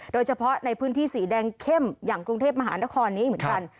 โดยเฉพาะในพื้นที่สีแดงเข้มอย่างกรุงเทพมหานครนี้เหมือนกัน